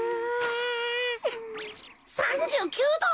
３９ど！？